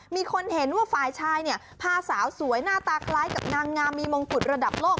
มีคนเห็นว่าฝ่ายชายพาสาวสวยหน้าตาคล้ายกับนางงามมีมงกุฎระดับโลก